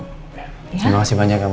terima kasih banyak mama